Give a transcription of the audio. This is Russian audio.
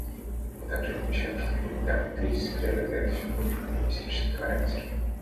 Мы также отмечаем, что гуманитарные кризисы приобретают все более урбанистический характер.